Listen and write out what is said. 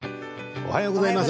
おはようございます。